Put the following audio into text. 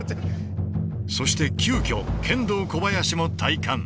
そして急きょケンドーコバヤシも体感。